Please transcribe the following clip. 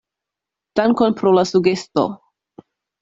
Dankon pro la sugesto.